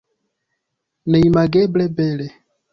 Neimageble bele.